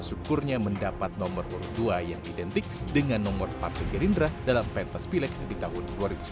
syukurnya mendapat nomor urut dua yang identik dengan nomor partai gerindra dalam pentas pilek di tahun dua ribu sembilan belas